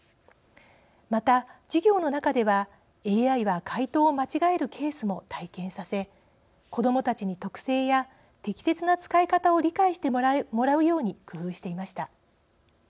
また授業の中では「ＡＩは回答を間違える」ケースも体験させ子どもたちに特性や適切な使い方を理解してもらうように工夫していました。